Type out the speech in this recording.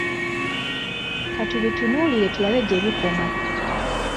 Katubitunuulire tulabe gyebikoma.